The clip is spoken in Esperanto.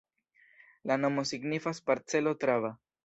La nomo signifas parcelo-traba.